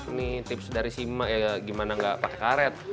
ini tips dari si ma ya gimana gak pake karet